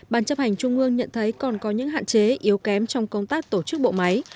ban chấp hành trung ương nhận thấy còn có những hạn chế yếu kém trong công tác tổ chức bộ máy